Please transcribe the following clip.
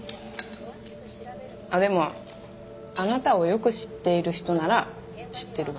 あっでもあなたをよく知っている人なら知ってるわ。